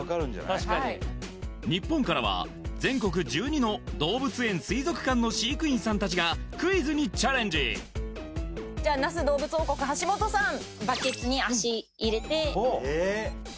確かに日本からは全国１２の動物園水族館の飼育員さんたちがクイズにチャレンジじゃあ那須どうぶつ王国橋本さん